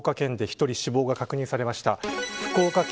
福岡県で１人死亡が確認されました。